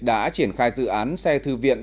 đã triển khai dự án xe thư viện